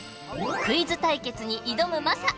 クイズ対決に挑むマサ